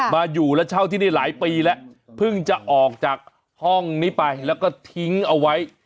มาอยู่และเช่าที่นี่หลายปีแล้วเพิ่งจะออกจากห้องนี้ไปแล้วก็ทิ้งเอาไว้